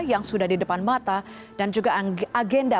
yang sudah di depan mandi